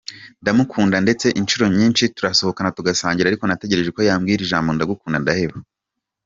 Ndamukunda ndetse inshuro nyinshi turasohokana tugasangira ariko nategereje ko yambwira ijambo ‘Ndagukunda’ ndaheba.